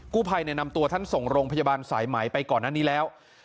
ผู้ภัยนำตัวท่านส่งโรงพยาบาลสายไหมไปก่อนหน้านี้แล้ว